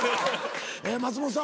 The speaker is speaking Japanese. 松本さん